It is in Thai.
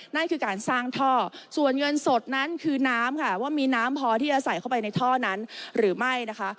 นั่นคือการสร้างท่อส่วนเงินสดนั้นคือน้ำค่ะว่ามีน้ำพอที่จะใส่เข้าไปในท่อนั้นหรือไม่นะคะ